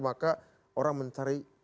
maka orang mencari